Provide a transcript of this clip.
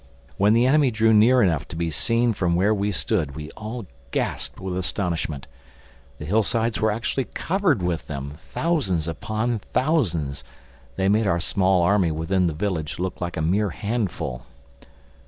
When the enemy drew near enough to be seen from where we stood we all gasped with astonishment. The hillsides were actually covered with them—thousands upon thousands. They made our small army within the village look like a mere handful.